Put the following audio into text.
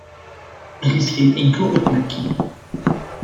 Er is geen enkele opmerking.